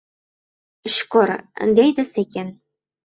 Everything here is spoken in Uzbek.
— Shukur, — deydi sekin.